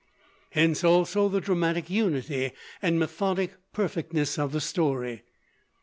Hence also the dramatic unity and methodic perfectness of the story.